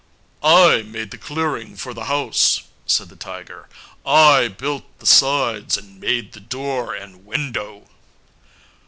"I made the clearing for the house," said the tiger, "I built the sides and made the door and window."